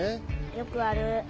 よくある。